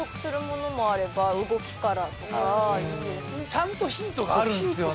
ちゃんとヒントがあるんですよね。